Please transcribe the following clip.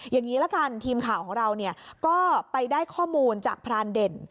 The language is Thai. อย่างนี้ละกันทีมข่าวของเราก็ไปได้ข้อมูลจากพรานเด่น